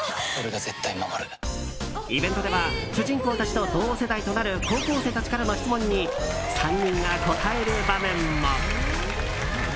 イベントでは主人公たちと同世代となる高校生たちからの質問に３人が答える場面も。